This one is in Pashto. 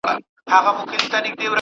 سياسي نفوذ د خبرو اترو له لاري پراخ کړئ.